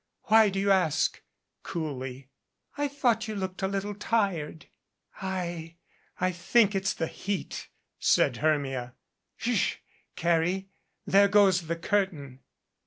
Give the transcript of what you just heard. Why do you ask?" coolly. "I thought you looked a little tired." "I I think it's the heat," said Hermia. "Sh Carrie, there goes the curtain."